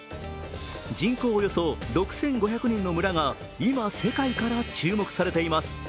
人口およそ６５００人の村が今、世界から注目されています。